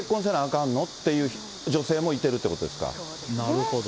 かんのっていう女性もいてるっていうことですか、なるほど。